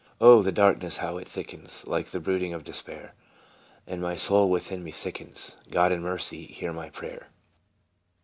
" Oh, the darkness, how it thickens, Like the brooding of despair ! And my soul within me sickens God, in mercy, hear my prayer